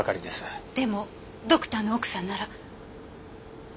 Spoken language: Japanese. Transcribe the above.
でもドクターの奥さんなら。